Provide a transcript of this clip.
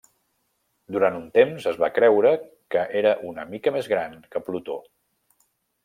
Durant un temps, es va creure que era una mica més gran que Plutó.